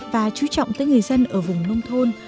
và chú trọng tới người dân ở vùng nông thôn